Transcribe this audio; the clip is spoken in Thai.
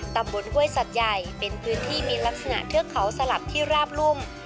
ห้วยสัตว์ใหญ่เป็นพื้นที่มีลักษณะเทือกเขาสลับที่ราบรุ่ม